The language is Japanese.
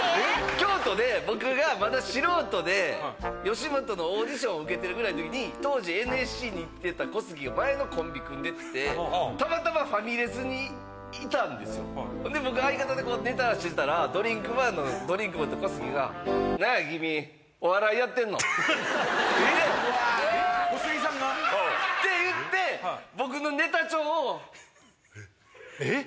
京都で僕がまだ素人でよしもとのオーディションを受けてるぐらいの時に当時ＮＳＣに行ってた小杉が前のコンビ組んでてたまたまファミレスにいたんですよで僕は相方とネタ合わせしてたらドリンクバーのドリンク持って小杉がって言って僕のネタ帳をえっ？